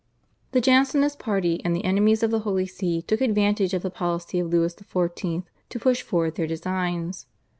The Jansenist party and the enemies of the Holy See took advantage of the policy of Louis XIV. to push forward their designs.